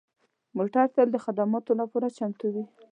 موټر تل د خدماتو لپاره چمتو وي.